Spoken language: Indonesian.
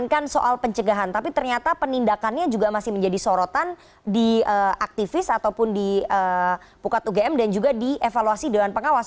bukan soal pencegahan tapi ternyata penindakannya juga masih menjadi sorotan di aktivis ataupun di pukat ugm dan juga dievaluasi dewan pengawas